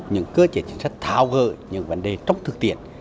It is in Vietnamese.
những cơ chế chính sách thao gỡ những vấn đề trong thực tiện